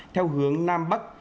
theo hướng nam bắc